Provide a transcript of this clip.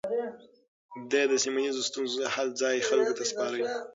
ده د سيمه ييزو ستونزو حل ځايي خلکو ته سپاره.